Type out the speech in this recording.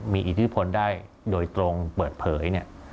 มีอิทธิพลได้โดยตรงเปิดเผยเนี่ย